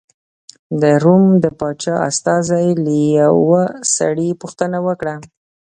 د روم د پاچا استازي له یوه سړي پوښتنه وکړه.